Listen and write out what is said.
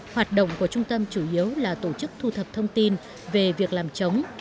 hoạt động của trung tâm chủ yếu là tổ chức thu thập thông tin về việc làm chống